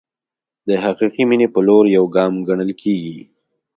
د حقیقي مینې په لور یو ګام ګڼل کېږي.